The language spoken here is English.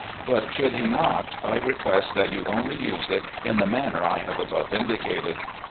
But should he not, I request that you only use it in the man ner I have above indicated.